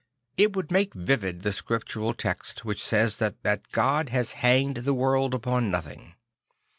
It would make vivid the Scriptural text which says that God has hanged the world upon nothing.